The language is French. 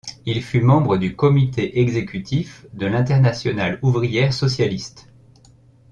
Il fut membre du comité exécutif de l'Internationale ouvrière socialiste.